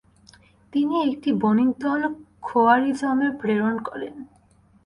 তিনি একটি বণিকদল খোয়ারিজমে প্রেরণ করেন।